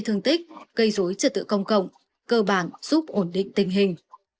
thương tích gây dối trật tự công cộng cơ bản giúp ổn định tình hình